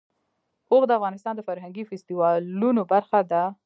اوښ د افغانستان د فرهنګي فستیوالونو برخه ده.